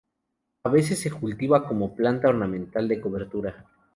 A veces se cultiva como planta ornamental de cobertura.